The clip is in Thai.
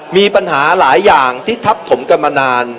มีปัญหาหลายอย่างที่ทับถมกันมานาน